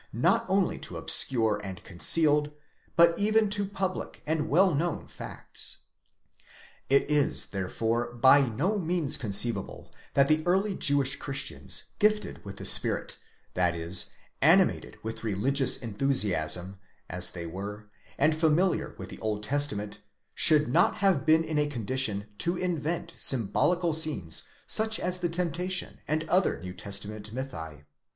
not only to obscure and concealed, but even to public and well known facts. It is therefore by no means conceivable that the early Jewish Christians, gifted with the spirit, that is, animated with religious enthusiasm, as they were, and familiar with the Old Testament, should not have been in a condition to invent symbolical scenes such as the temptation and other New Testament mythi.